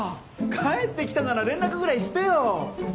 帰ってきたなら連絡ぐらいしてよ。